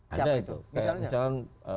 ada itu misalnya